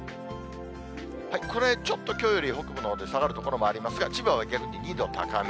これ、ちょっときょうより北部のほうで下がる所もありますが、千葉は逆に２度高め。